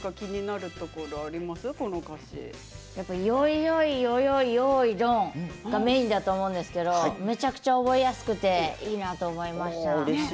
「よいよいよよいよーいドン」がメインだと思うんですけどめちゃくちゃ覚えやすくていいなと思いました。